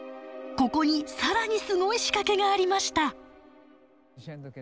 ここに更にすごい仕掛けがありました。